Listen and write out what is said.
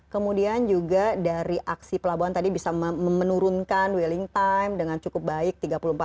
kemudian juga dari aksi pelabuhan tadi bisa menurunkan willing time dengan cukup baik